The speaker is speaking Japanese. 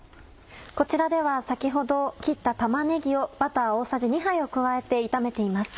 こちらでは先ほど切った玉ねぎをバター大さじ２杯を加えて炒めています。